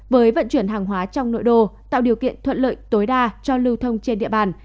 với vận chuyển hàng hóa trong nội đô tạo điều kiện thuận lợi tối đa cho lưu thông trên địa bàn